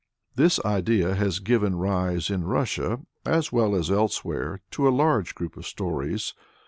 This idea has given rise in Russia, as well as elsewhere, to a large group of stories.